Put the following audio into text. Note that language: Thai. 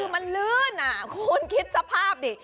คือมันลื่นคุณคิดสภาพดิ